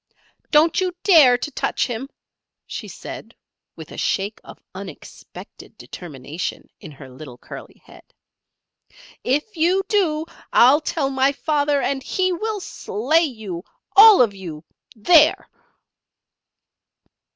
"Don't you dare to touch him," she said, with a shake of unexpected determination in her little curly head; "if you do, I'll tell my father, and he will slay you! All of you there!"